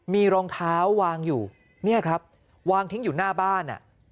มีรองเท้าวางอยู่เนี่ยครับวางทิ้งอยู่หน้าบ้าน